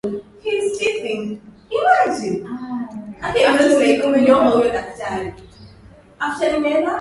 Matangazo yaligeuzwa na kufanywa kipindi kilichotangazwa moja kwa moja, , kikirudiwa na kuongezewa habari mpya, mara moja kwa siku